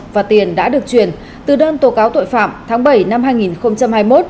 và tiền đã được chuyển từ đơn tố cáo tội phạm tháng bảy năm hai nghìn hai mươi một